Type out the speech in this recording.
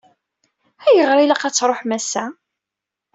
Ayɣer i ilaq ad tṛuḥem ass-a?